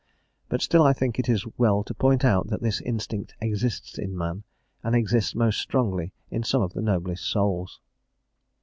But still I think it well to point out that this instinct exists in man, and exists most strongly in some of the noblest souls.